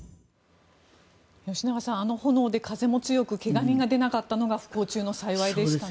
吉永さんあの炎で風も強く怪我人が出なかったのが不幸中の幸いでしたね。